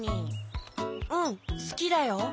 うんすきだよ。